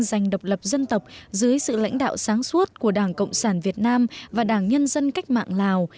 dành độc lập dân tộc dưới sự lãnh đạo sáng suốt của đảng cộng sản việt nam và đảng nhân dân cách mạng lào